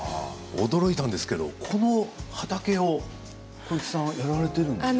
驚いたんですけれどこの畑を小雪さんがやられているんですか？